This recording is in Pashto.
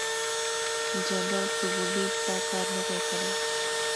جنرال سوبولیف دا کار نه دی کړی.